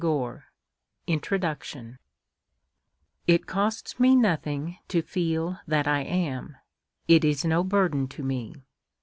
LEWIS INTRODUCTION It costs me nothing to feel that I am; it is no burden to me.